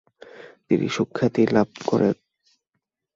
তিনি সুখ্যাতি লাভ করেন।